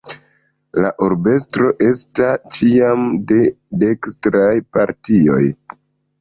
La urbestro esta ĉiam de dekstraj partioj.